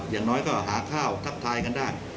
อย่างน้อยก็หาข้าวทักทายกันได้